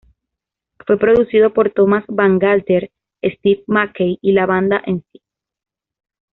Fue producido por Thomas Bangalter, Steve Mackey y la banda en sí.